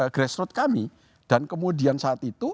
grassroots kami dan kemudian saat itu